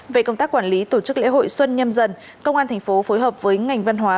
về công tác quản lý tổ chức lễ hội xuân nhâm dần công an thành phố phối hợp với ngành văn hóa